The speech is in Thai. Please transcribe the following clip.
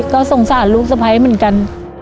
ก็สงสารลูกสะพ้ายเหมือนกัน